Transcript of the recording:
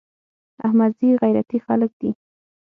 احمدزي غيرتي خلک دي.